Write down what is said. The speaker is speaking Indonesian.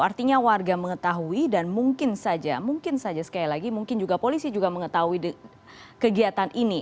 artinya warga mengetahui dan mungkin saja mungkin saja sekali lagi mungkin juga polisi juga mengetahui kegiatan ini